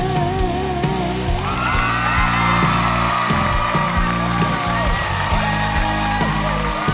สวัสดีครับ